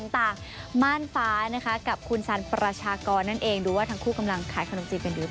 ต่างม่านฟ้านะคะกับคุณสันประชากรนั่นเองดูว่าทั้งคู่กำลังขายขนมจีบกันอยู่